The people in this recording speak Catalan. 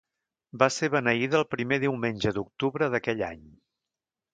Va ser beneïda el primer diumenge d'octubre d'aquell any.